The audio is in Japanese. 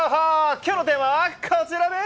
きょうのテーマはこちらです。